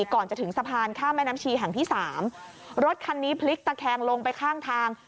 ก่อนจะถึงสะพานข้ามแม่น้ำชีแห่งที่สามรถคันนี้พลิกตะแคงลงไปข้างทาง